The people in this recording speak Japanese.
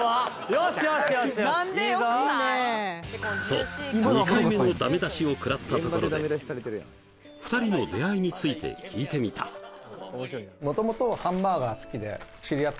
よしよしよしよしと２回目のダメ出しをくらったところで２人の出会いについて聞いてみたそうです